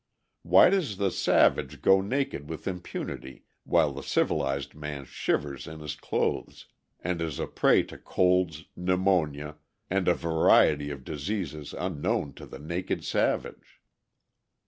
Why does the savage go naked with impunity while the civilized man shivers in his clothes, and is a prey to colds, pneumonia, and a variety of diseases unknown to the naked savage?